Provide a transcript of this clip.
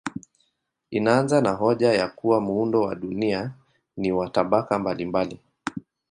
Inaanza na hoja ya kuwa muundo wa dunia ni wa tabaka mbalimbali.